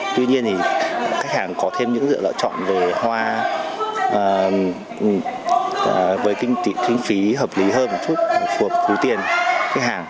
tuy nhiên khách hàng có thêm những lựa chọn về hoa với kinh phí hợp lý hơn một chút phù tiền khách hàng